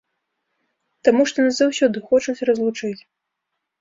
Таму што нас заўсёды хочуць разлучыць.